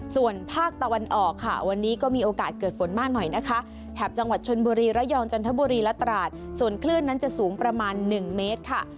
ส่วนภาคตะวันออกค่ะวันนี้ก็มีโอกาสเกิดฝนมากหน่อยนะคะแถบจังหวัดชนบุรีระยองจันทบุรีและตราดส่วนคลื่นนั้นจะสูงประมาณ๑เมตรค่ะ